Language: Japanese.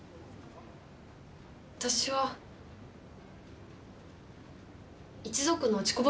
私は一族の落ちこぼれなんです。